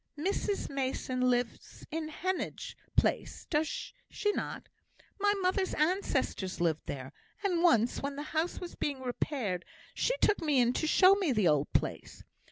"Mrs Mason lives in Heneage Place, does not she? My mother's ancestors lived there; and once, when the house was being repaired, she took me in to show me the old place.